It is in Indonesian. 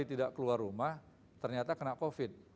ternyata kena covid